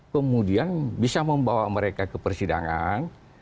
kemudian bisa membawa mereka ke persidangan